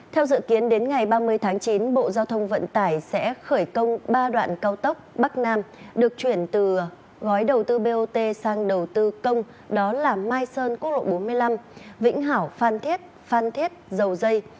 theo dự kiến đến ngày ba mươi tháng chín bộ giao thông vận tải sẽ khởi công ba đoạn cao tốc bắc nam được chuyển từ gói đầu tư bot sang đầu tư công đó là mai sơn quốc lộ bốn mươi năm vĩnh hảo phan thiết phan thiết dầu dây